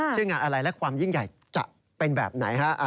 ชื่องานอะไรและความยิ่งใหญ่จะเป็นแบบไหนฮะ